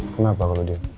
kenapa kalo diem